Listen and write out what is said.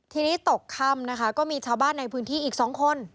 ทีนี้ตกค่ำนะคะก็มีชาวบ้านในพื้นที่อีก๒คน